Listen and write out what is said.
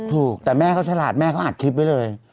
ถูกแต่แม่เขาฉลาดแม่เขาอัดคลิปไว้เลย